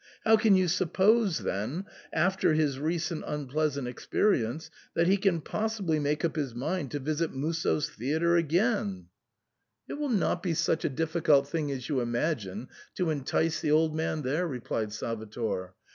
How can you suppose then, after his recent unpleasant experience, that he can possibly make up his mind to visit Musso's theatre again ?" I30 SIGNOR FORMICA. " It will not be such a difficult thing as you imagine to entice the old man there," replied Salvator.